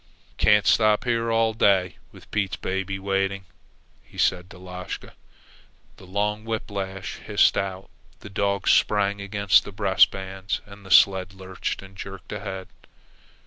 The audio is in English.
"Can't stop here all day, with Pete's baby waiting," he said to Lashka. The long whip lash hissed out, the dogs sprang against the breast bands, and the sled lurched and jerked ahead.